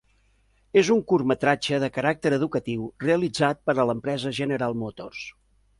És un curtmetratge de caràcter educatiu, realitzat per a l'empresa General Motors.